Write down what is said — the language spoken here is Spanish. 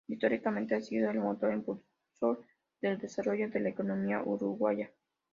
Históricamente ha sido el motor impulsor del desarrollo de la economía uruguaya.